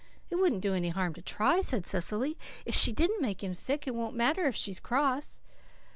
"It wouldn't do any harm to try," said Cecily. "If she didn't make him sick it won't matter if she is cross."